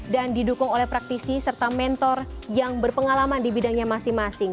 dan didukung oleh praktisi serta mentor yang berpengalaman di bidangnya masing masing